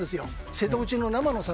瀬戸内の生の魚。